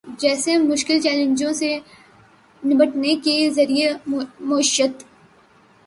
جیسے مشکل چیلنجوں سے نمٹنے کے ذریعہ معیشت